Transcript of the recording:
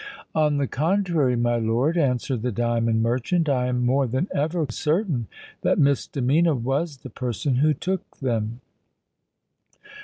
"On the contrary, my lord," answered the diamond merchant: "I am more than ever certain that Miss de Medina was the person who took them."